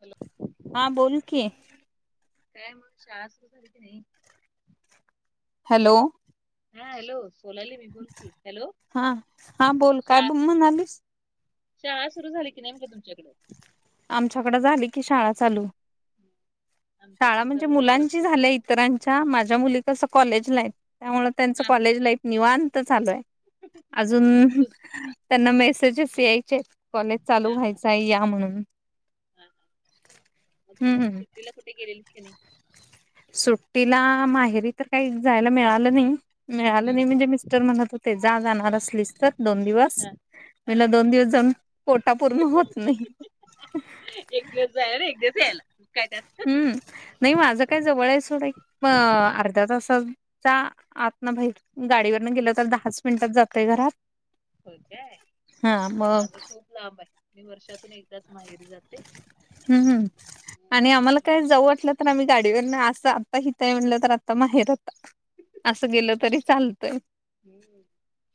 Hello हा बोल की काय मग शाळा सुरू झाली की नाही हॅलो हा हॅलो बोलायली मी बोलकी हॅलो हा हा बोल काय शाळा म्हणालीस शाळा सुरु झाली की नाही मग तुमच्याकडे आमच्याकडे झाली की शाळा चालू शाळा आमच्याकडे म्हणजे जरा लवकर मुलांची असते झाल्या इतरांच्या माझ्या मुली तस कॉलेज नाही त्यामुळे त्यांच हा कॉलेज लाईफ निवांत चालू आहे हा अजून सु- त्यांना मेसेजेस यायचे कॉलेज चालू हा हा व्हायच हा आहे या म्हणून हम् हम् ट्टीला कुठे गेलेलीत क नाही सुट्टीला माहेरी तर काही जायला मिळा मिळालं हम्म, नाही हम्म. म्हणजे मिस्टर म्हणत होते जा जाणार असलीस तर दोन दिवस हा हा म्हणलं हा दोन दिवस जाऊन पोटा पूर्ण होत नाही एक दिवस जायला एक दिवस यायला काय त्यात हम्म नाही माझं काय जवळ आहे सोड एक अर्ध्या तासात जा आत ना भाई गाडीवरन गेल तर दहाच मिनिटात जातय घरात हो काय हा मग माझ खूप लाब आहे मी वर्षातून एकदाच माहेरी जाते हम् हम् हम्म. आणि आम्हाला मला काय जाऊ वाटलं तर आम्ही गाडीवर ना असं आता हितय म्हणलं तर आता माहेर आता असं गेलं तरी चालतय हम्म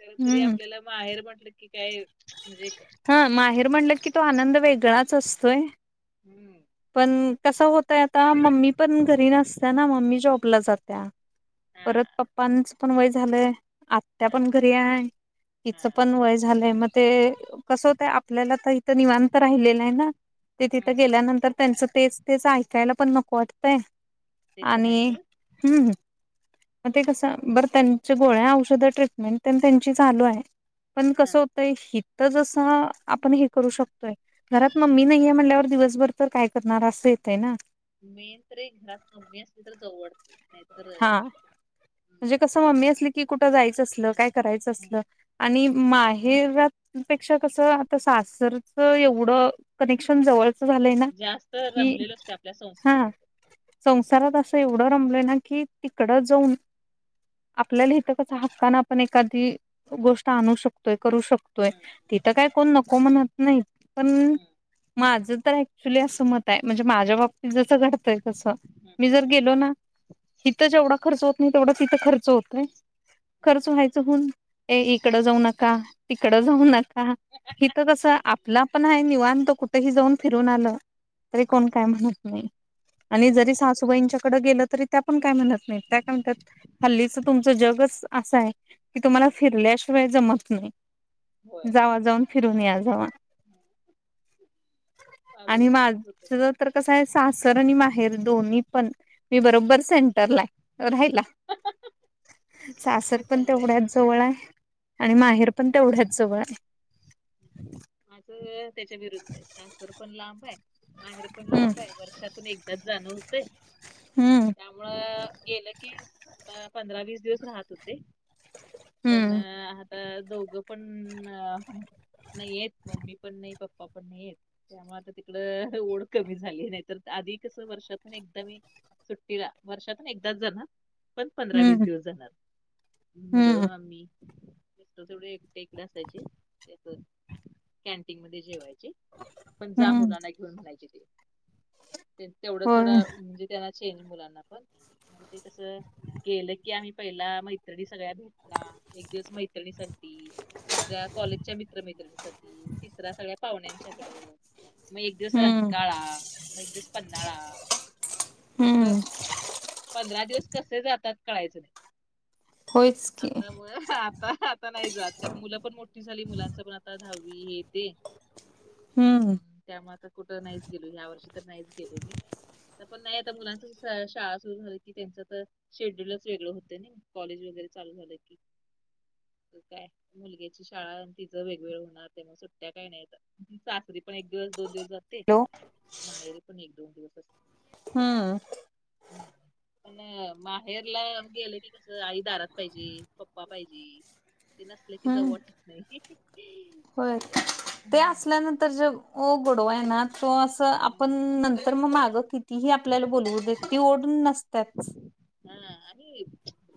खर तरी हम्म आपल्याला माहेर म्हंटलं की काय म्हणजे हा माहेर म्हणलं की तो आनंद वेगळाच असतोय हम्म पण कस होतय आता मम्मी पण घरी नसत ना मम्मी जॉबला जात्या हा परत पप्पांच पण वय झालंय आत्या हा पण हा घरी आहे तिचं हा पण वय झालंय मग ते कस होतय आपल्याला तर इथं निवांत राहिलेलं आहे ना ते हम्म तिथं गेल्यानंतर त्यांचं तेच तेच ऐकायला पण नको वाटतंय ते पण आहे आणि खरं हम्म. मग ते कसं बरं त्यांच्या गोळ्या, औषध, ट्रीटमेंट पण त्यांची चालू हाय. पण हा कसं होतय हिथं जसं आपण हे करू शकतो य घरात मम्मी नाहीये म्हणल्यावर दिवसभर तर काय करणार असं येतय ना. मेन तर एक घरात मम्मी असली तरच जाऊ वाटतंय. हां म्हणजे कसं मम्मी असली की कुठं जायचं असलं काय करायचं हम्म. असलं आणि माहेरात पेक्षा कस आता सासरच एवढं कनेक्शन हम्म. जवळचं झालंय ना जास्त कि रमलेलो असते आपल्या संसारात हां असं. संसारात असं मुलीच्या एवढं रमलय ना की तिकडं जाऊन आपल्याला इथं कस हक्कान आपण एखादी गोष्ट आणू शकतोय करू शकतो तोय हम्म, तिथं काय कोण नको म्हणत नाही पण हम्म, माझं तर ऍक्च्युली असं मत आहे म्हणजे माझ्या बाबतीत जसं घडतंय तसं हम्म, मी जर हम्म, गेलो ना हिथं जेवढा खर्च होत नाही तेवढा तिथं खर्च होतय, हम्म, खर्च व्हाय च होऊन ए इकडं जाऊ नका, तिकडं जाऊ हम्म, नका. हिथं कसं आपला पण आहे निवांत कुठेही जाऊन फिरून आलं तरी हम्म. कोण काय म्हणत नाही आणि ते जरी पण आहे खरं सासूबाईंच्याकड गेलं तरी त्या पण काय म्हणत नाहीत त्या काय म्हणतात हल्लीच तुमचं जगच असय. कि तुम्हाला हम्म, फिरल्याशिवाय जमत नाही होय जावा जाऊन फिरून या जावा. हम्म. माझं आणि पण तसंच होतंय माझं तर कस आहे सासर आणि माहेर दोन्ही पण मी बरोबर सें टर लाय राहायला. सासर मग पण चांगलं आहे तेवढ्याच जवळ आहे आणि हा माहेरपण पण तेवढ्याच जवळ आहे. माझं त्याच्या विरुद्ध आहे सासर पण लांब आहे माहेर पण हम्म लांब आहे वर्षातून एकदाच जाणं होतंय हम्म त्यामुळं गेलं की आता पंधरा वीस दिवस राहत होते पण हम्म अ दोघं पण नाहीयेत मम्मी पण नाही पप्पा पण नाहीयेत. त्यामुळे आता तिकड ओढ कमी झाली नाही तर आधी कस वर्षातून एकदा मी सुट्टीला वर्षातून एकदाच जाणार पण पंधरा वीस हम्म दिवस जाणार, हम्म मुलं मी. मिस्टर तेवढं एकटे इकडे असायचे ते पण कॅन्टीन मध्ये जेवायचे. पण जा हम्म मुलांना घेऊन म्हणायचे ते तेवढं होय तेवढ म्हणजे त्यांना चेंज मुलांना पण मग ते कस गेलं की आम्ही पहिला मैत्रिणी सगळ्या भेट णार एक दिवस मैत्रिणीसाठी, दुसऱ्या कॉलेजच्या मित्र मैत्रिणीसाठी तिसरा सगळ्या पाहुण्यांच्याकडं, मग एक दिवस हम्म रंकाळा मग एक दिवस पन्हाळा हम्म असं पंधरा दिवस कसे जातात कळायचं नाही. होयच की आता मग आता, आता नाही जात कारण मुलं पण मोठी झाली मुलांच पण आता दहावी हे ते. हम्म. त्यामुळे आता कुठं नाहीच गेलो ह्या वर्षी तर नाहीच गेलो मी. आता पण नाही आता मुलांच शाळा सुरू झाली की त्यांच तर शेड्यूलच वेगळं होत नाही कॉलेज वगैरे चालू झालं की. तर काय मुलग्याची शाळा तिचं वेगवेगळं होणार ते मग सुट्ट्या काय नाहीे आता. सासरी पण एक दिवस, दोन दिवस जाते हॅलो माहेरीे पण एक दोन दिवस अस. हम्म हम्म, पण माहेरला गेलं की कसं आई दारात पाहिजे, पप्पा पाहिजे, ते नसले की जाऊ हम्म वाटत नाही. होय, काय करणार ते हम्म. असल्यानंतर जे गोडवा आहे ना तो असं आपण हम्म. नंत तर मग मागं कितीही आपल्याला बोलवू देत, ती ओढ नसत्याच. हां आम्ही,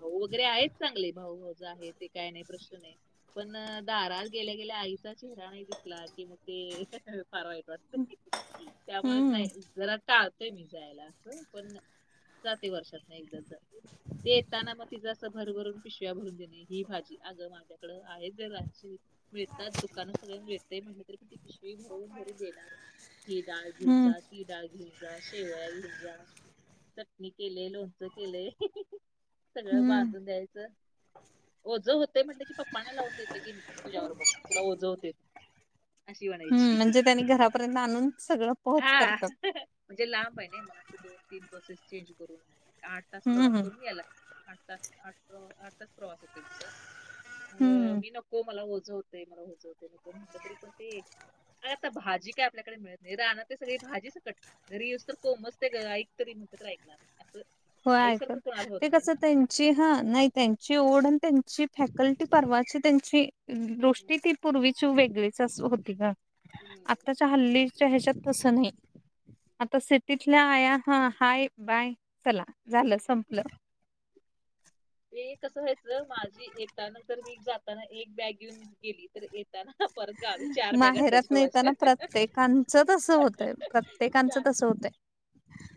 भाऊ वगैरे आहेच चांगले भाऊ- भावज आहे. ते काय नाही प्रश्न नाही पण दारात गेल्या गेल्या आईचा चेहरा नाही दिसला, की मग ते फार वाईट वाटत. [unintelligible] त्यामुळे हम्म नाही जरा टाळतोय मी जायला असं, पण जाते वर्षात नाही एकदा. जाते ते येताना मग तिचा अस भर -भरून पिशव्या भरून देणे ही भाजी, अगं माझ्याकडं आहे जराशी. मिळतात दुकानं सगळ मिळतात. ते म्हटले तर किती पिशवी भरवून भरून देणार, ही डाळ घेऊन हम्म जा ती डाळ घेऊन जा, शेवया घेऊन जा, चटणी केले, लोणच केलेय, सगळं हम्म बांधून द्यायचं. ओझं होतय म्हटलं की पप्पना लावून देते की मी, तुझ्याबरोबर तुला ओझं होते. अशी हम्म, म्हणायची म्हणजे त्यांनी घरापर्यंत आणून सगळं पोहोच हा करतात म्हणजे लांब आहे ना, मला असं दोन तीन बसेस चेंज करून. आठ तास प्रवास हम्म करून या लागते. आठ तास, आठ -आठ तास प्रवास होतो माझा. हम्म अ मी नको मला ओझं होत. ते मला ओझं होते म्हटलं तरी पण ते, आता भाजी काय आपल्याकडे मिळत नाही रानात ते सगळी भाजी सकट, घरी येस तर कोमच ते ग ऐक तरी म्हनल तरी ऐकणार असं हो ऐक, आईसारखं कोणाला होत ते कस नाही त्यां ची हा नाही त्यांची ओढ आणि त्यांची फॅकल्टी परवाची त्यांची दृष्टी ती पूर्वीची वेगळीच होती ग. आत्ताच्या हल्लीच्या ह्याच्यात तसं नाही. आता सिटीतल्या आया हा हाय, बाय, चला झालं संपलं. ते कसं व्हायचं माझी येता नंतर, मी जाताना एक बॅग येेऊन गेली तर येताना परत गावी चार बॅग माहेरात न असायच्या येताना माझ्या, प्रत्येकांचं तसं होतंय प्रत्येकांचं चार. तसं होतंय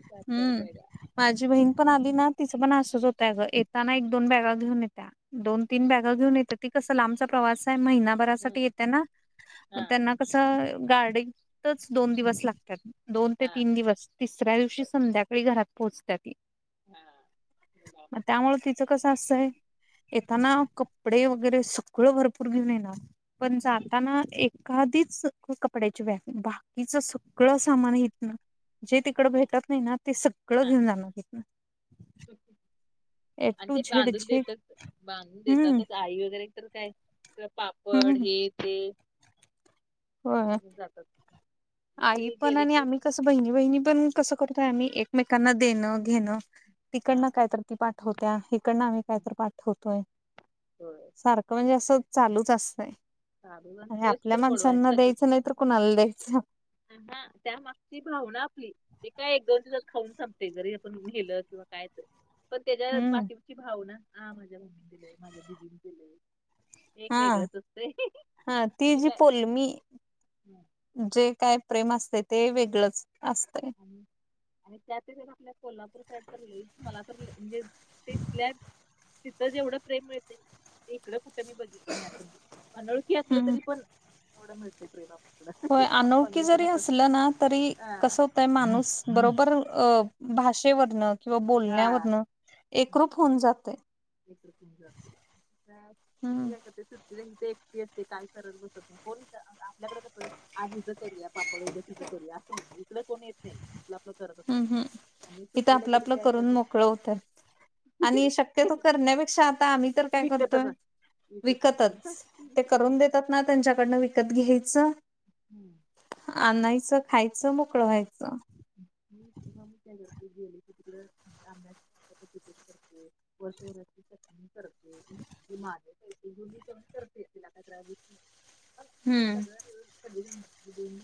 चार- चार ब्यागा. हम्म माझी बहीण पण आली ना तिचं पण असंच होतंय, ग येताना एक दोन बॅगा घेऊन येत्या दोन तीन बॅग घेऊन येते, ती कसं लांबचा प्रवास आहे हम्म महिनाभरासाठी येते ना. मग हा त्यांना कसं गाडीतच च दोन दिवस लागतात. दोन ते हा तीन दिवस. तिसऱ्या दिवशी बर संध्याकाळी घरात पोहोचत ती. हा. मुलाबद्दल. आता [unintelligible] कसं असतंय. येताना कपडे वगैरे सगळं भरपूर घेऊन येणार. पण हं, जाताना एखादीच कपड्याची बॅग, बाकीच सगळं सामान हितन जे तिकडं हं, भेटत नाही ना ते सगळं हा घेऊन जाणार हितन. आणि टू ते झेड बांधून झेड देतात. बांधून हम्म देतातच आई वगैरे तर काय पापड हम्म हे ते होय, घेऊन जातात मी आई तरी पण गेले आणि की आम्ही कस बहिणी- बहिणी पण कसं करतोय आम्ही, एकमेकांना देणं, घेणं, तिकड हा न काय तर ती पाठवत्या, इकडं आम्ही काही तरी पाठवतोय. होय. सारखं म्हणजे असं चालूच असतं. [unintelligible] [inaudible] कारू अंत ते उस्तर कोडवा सगळ. नाहीतर कुणाला द्यायचं. [inaudible] हा त्यामागची भावना आपली. ते काय एक, दोन दिवसात खाऊन सांपते. जरी आपण घेलं किंवा कायच. पण त्याच्या हम्म पाठीची भाऊ ना ह [inaudible] माझ्या मम्मी दिलेय माझ्या दिदीनी दिलंय. एक हा वेगळच असते हा ती मी जी काय. पोलमी जे काय प्रेम असते ते वेगळंच असते. हम्म.. आणि त्यात ज आपल्या कोल्हापूर साईड तर ल मला तर म्हणजे ते फलॅग. तिथं जेवढं प्रेम मिळतील. इकडं कुठं मी बघितलं नाही अस ते अनोळखी असलं हम्म तरी पण. एवढं मिळत रे बापा होय कड [inaudible] अनोळखी पांनूळ किं जरी असलं ना तरी हा. कसं माणूस बरोबर अ भाषेवरन किंवा हा बोलण्यावरन. एकरूप होऊन जाते. [unintelligible] [inaudible] एकक जात दुसर हम्म काय कर सुट्ट काय करत बसत कोण आपल्याकडे आज हिजं करूया पापड उगद्या [inaudible] तिं करूया असंत. इकडे कोणी येत नाही. आपलं आपलं करत असतात हम्म, हम्म, मग मी इिथ सुट्टीला आपलं गेली आपलं काय करून करते मोकळं होत. आणि शक्यतो करण्यापेक्षा आता आम्ही. काय करतोय विकतच असते विकत विकतच ते असतात करून [inaudible] द [inaudible] ना त्यांच्याकडनं विकत घ्यायचं. हम्म. आणायचं खायचं मोकळ व्हायचं. मी [inaudible] मी त्या घरती गेली की तिकडे आंब्या [inaudible] त वर्ष वर्षची [inaudible] चणी करते [inaudible] माझ कर [unintelligible] [inaudible] लात रा [unintelligible] [inaudible] हम्म सगळ्याग दोन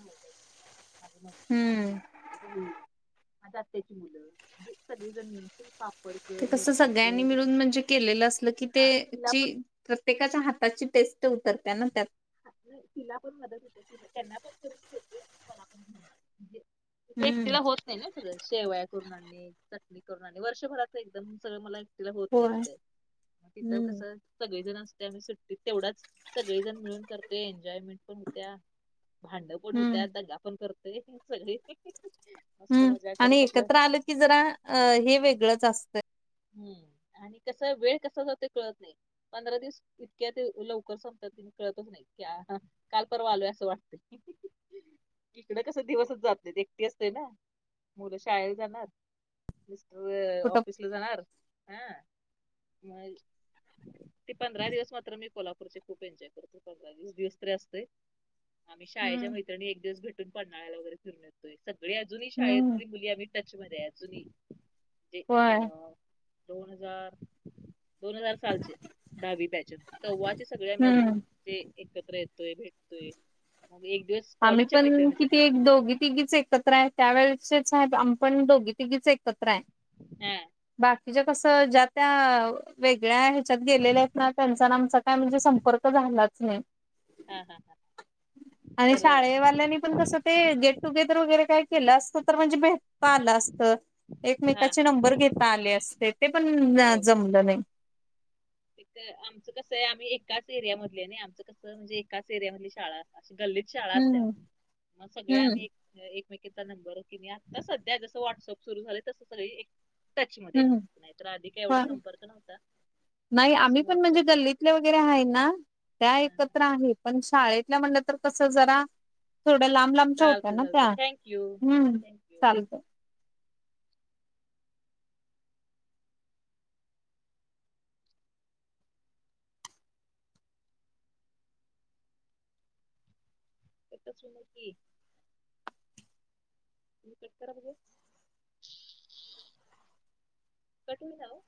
माझ हम्म [inaudible] ब माझ आत्याची मुलं म्हणे सगळेजण पापड. कर ते कसं लोणचं सगळ्यांनी कर मिळून म्हणजे केलेलं असलं की हा तिला तेची. पण प्रत्येकाच्या हाताची टेस्ट [inaudible] उतरत ना त्यात [unintelligible] [inaudible] ह नाही तिला पण मदत होते तिला त्यांना पण कर होते मला पणजे हम्म एकटीला होत नाही ना सगळं शेवया करून [inaudible] आण चटणी करून [inaudible] आण वर्षभराच एकदम [inaudible] सगळं मला तिला होत नाही. होय तिथं हम्म कसं. सगळेजण असते आम्ही सुट्टीत तेवढाच सगळेजण मिळून करतो एन्जॉयमेंट पण होत्या. भांड पण हम्म होत्या दगा पण करतय सगळे. मस्त हम्म, मजा आणि करत आपलं एकत्र आलं की जरा हे वेगळंच असतं. हम्म, आणि कसा वेळ कसा जाते कळत नाही. पंधरा दिव इतक्या ते लवकर संपतात कळतच नाही. ह काल परवा आलोय असं वाटत. इकडं कस दिवसच जात [inaudible] एकट असते ना मुलं शाळेला जाणार. मिस्टर कुठं ऑफिसला जाणार [inaudible] ह म ते पंधरा दिवस मात्र मी कोल्हापूरचे खूप एन्जॉय [inaudible] करतेो पंधरा दिवस दिवस तरी असते. आम्ही शाळेच्या हम्म मैत्रणी एक [inaudible] दिवसेटून पन्हाळ्याला वगैरे फिरून येतोय सगळी अजून [inaudible] हही हम्म शाळेतली मुली आम्ही. [inaudible] टचमध्येध्ये अजूनहीे होय अ दोन हजार, दोन हजार सालचे दहावी [inaudible] पॅचन. तव्हाचे सगळे आम्ही अजून हम्म ते एकत्र येतोय, भेटतोय मग एक दिवस आम्ही कॉलेजच्या पण किती मैत्रिणीसाठी एक दोघी तिघीच एकत्र आहे, त्यावेेळेचेच आहेत. आम्ही पण दोघी तिघीच एकत्र आहे. हा. बाकीच्या कसं, ज्या त्या वेगळ्या आहेत. त्या गेलेल्या आहेत ना, त्यांचा आमचा काय म्हणजे संपर्क झालाच नाही. हा हा हां. आणि शाळेवाल्यांनी पण कसं ते गेट टुगेदर वगैरे काय केलं असतं, तर म्हणजे भेट ता आलं असतं. हा एकमेकाचे हा नंबर घेता आले असते, ते पण हो हो जमलं नाही. आमचं कसं आहे, आम्ही एकाच एरिया मधले नाही, आमचं कसं म्हणजे एकाच एरियामधली शाळा. अशी गल्लीत शाळा असल्या, हम्म मग सगळे हम्म आम्ही एकमेकीचा नंबर कि नाही. आता सध्या जसं व्हॉट्सअप सुरू झालं तसं सगळी टचमध्ये हम्म. आहे. नाही तर आधी काही एवढा पण संपर्क नव्हता. नाही आम्ही जेव्हापासून पण म्हणजे व्हॉट्सअप गल्लीतल्या वगैरे आहे ना. त्या एकत्र आहे. पण शाळेतल्या म्हणलं तर कसं जरा, थोड लांब लांब च्या होत्या चालते ना त्या. चालते थँक्यू हम्म, थँक्यू चालतंय हितच [unintelligible] कट करा बघू. कट होईना ओ.